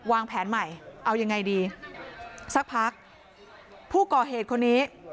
วางแผนใหม่เอายังไงดีสักพักผู้ก่อเหตุคนนี้